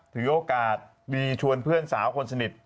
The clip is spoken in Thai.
ถือโอกาสดีชวนเพื่อนสาวคนสนิท